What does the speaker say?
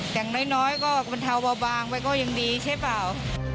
อย่างน้อยก็บรรเทาเบาบางไปก็ยังดีใช่เปล่า